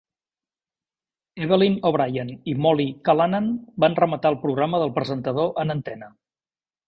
Evelyn O'Brien i Molly Callanan van rematar el programa del presentador en antena.